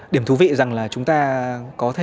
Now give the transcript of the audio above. điểm thú vị rằng là chúng ta có thể